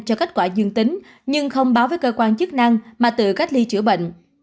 cho kết quả dương tính nhưng không báo với cơ quan chức năng mà tự cách ly chữa bệnh